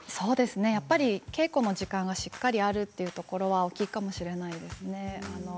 やっぱり稽古の期間がしっかりあるというところが大きいかもしれないですね。